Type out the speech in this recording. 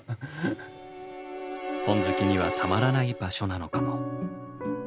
本好きにはたまらない場所なのかも。